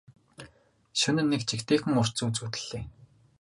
Шөнө нь нэг жигтэйхэн урт зүүд зүүдэллээ.